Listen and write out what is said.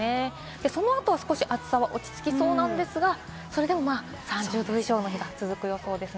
その後は少し暑さは落ち着きそうなんですが、それでも３０℃以上の日が続く予想です。